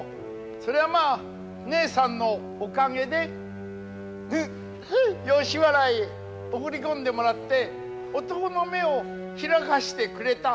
そりゃまあねえさんのおかげでフフ吉原へ送り込んでもらって男の目を開かしてくれた。